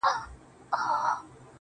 د سترگو توري په کي به دي ياده لرم.